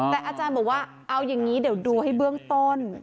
แต่อาจารย์บอกว่าเอาอย่างนี้เดี๋ยวดูให้เบื้องต้น